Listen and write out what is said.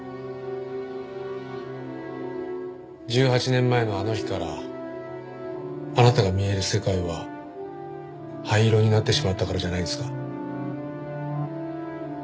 １８年前のあの日からあなたが見える世界は灰色になってしまったからじゃないですか？